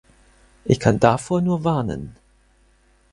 Ich kann davor nur warnen!